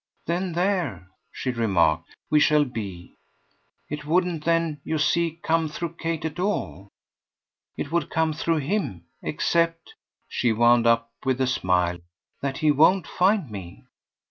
Then THERE," she remarked, "we shall be. It wouldn't then, you see, come through Kate at all it would come through him. Except," she wound up with a smile, "that he won't find me."